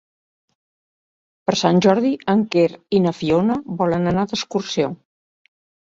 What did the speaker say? Per Sant Jordi en Quer i na Fiona volen anar d'excursió.